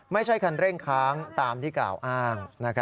ไม่ใช่คันเร่งค้างตามที่กล่าวอ้าง